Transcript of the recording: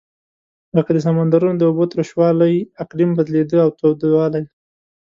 لکه د سمندرونو د اوبو تروش والۍ اقلیم بدلېده او تودوالی.